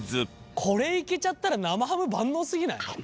これいけちゃったら生ハム万能すぎない？